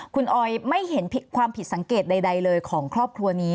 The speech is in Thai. คุณออยไม่เห็นความผิดสังเกตใดเลยของครอบครัวนี้